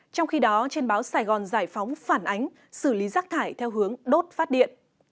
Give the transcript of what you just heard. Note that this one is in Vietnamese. trong khi đó trên báo sài gòn giải phóng phản ánh xử lý rác thải theo hướng đốt phát điện